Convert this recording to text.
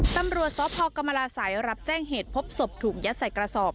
ตำรวจสพกรรมราศัยรับแจ้งเหตุพบศพถูกยัดใส่กระสอบ